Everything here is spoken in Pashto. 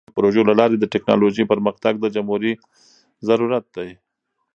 د علمي پروژو له لارې د ټیکنالوژۍ پرمختګ د جمهوری ضروری دی.